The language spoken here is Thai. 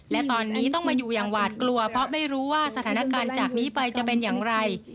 และตอนนี้ต้องมาอยู่อย่างหวาดกลัวเพราะไม่รู้ว่าสถานการณ์จากนี้ไปจะเป็นอย่างไร